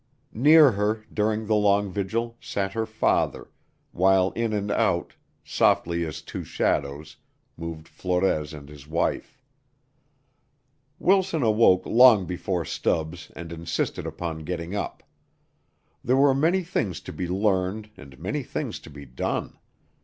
Near her, during the long vigil, sat her father, while in and out, softly as two shadows, moved Flores and his wife. Wilson awoke long before Stubbs and insisted upon getting up. There were many things to be learned and many things to be done.